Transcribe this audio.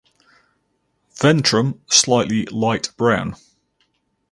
Ventrum slightly light brown.